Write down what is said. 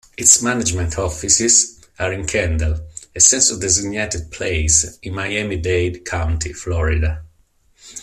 Its management offices are in Kendall, a census-designated place in Miami-Dade County, Florida.